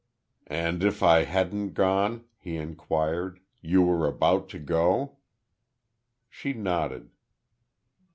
"And if I hadn't gone," he inquired, "you were about to go?" She nodded.